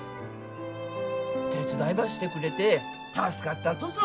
手伝いばしてくれて助かったとぞ。